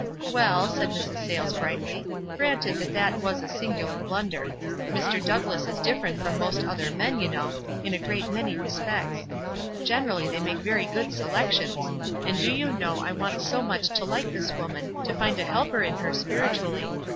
"Well," said Mrs. Sayles, brightly ; "granted that that was a singular blunder. Mr. Dou°r lass is different from most other men, you know, in a great many respects. Generally they make. very good selections; and do you know I want so much to like this woman, to find a helper in her spiritually.